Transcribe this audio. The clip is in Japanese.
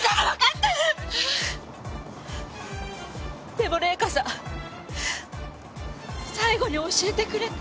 でも礼香さん最期に教えてくれた。